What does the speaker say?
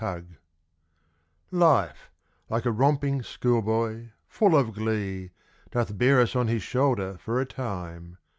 LIFE Life, like a romping schoolboy, full of glee, Doth bear us on his shoulder for a time.